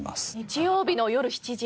日曜日のよる７時。